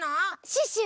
シュッシュ